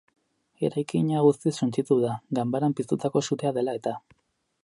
Eraikina guztiz suntsitu da, ganbaran piztutako sutea dela eta.